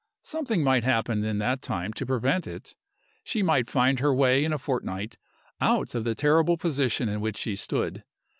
Something might happen in that time to prevent it: she might find her way in a fortnight out of the terrible position in which she stood.